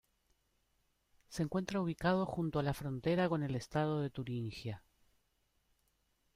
Se encuentra ubicado junto a la frontera con el estado de Turingia.